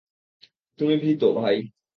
তুমি ভীত, ভাই!